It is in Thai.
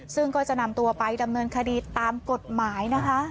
ซึ่งก็จะนำตัวไปดำเนินคดีตามกฎหมายนะคะ